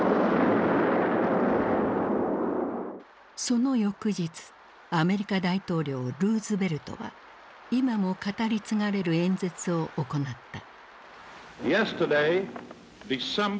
その翌日アメリカ大統領ルーズベルトは今も語り継がれる演説を行った。